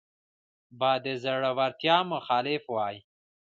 به د زړورتیا مخالف وای